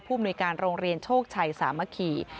มนุยการโรงเรียนโชคชัยสามัคคี